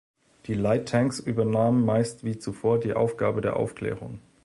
Die Light Tanks übernahmen meist wie zuvor die Aufgabe der Aufklärung.